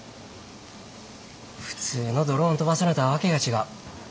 普通のドローン飛ばすのとは訳が違う。